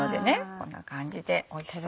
こんな感じでおいしそうに。